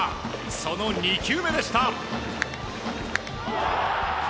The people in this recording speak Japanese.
その２球目でした。